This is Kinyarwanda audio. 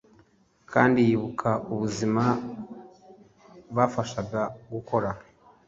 kandi yibuka ubuzima bafashaga gukora